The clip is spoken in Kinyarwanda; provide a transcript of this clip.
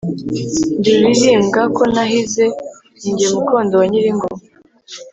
Ndi Rulirimbwa ko nahize, ni jye mukondo wa Nyilingoma